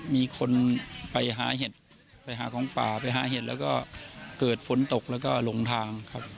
มีคนไปหาเห็ดไปหาของป่าไปหาเห็ดแล้วก็เกิดฝนตกแล้วก็ลงทางครับ